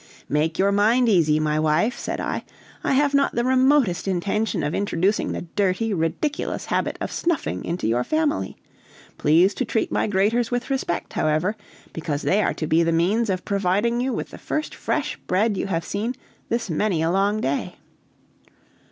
"Make your mind easy, my wife," said I. "I have not the remotest intention of introducing the dirty, ridiculous habit of snuffing into your family! Please to treat my graters with respect, however, because they are to be the means of providing you with the first fresh bread you have seen this many a long day."